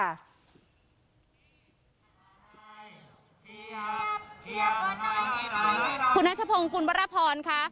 คุณนัชพงศ์คุณวรพรค่ะ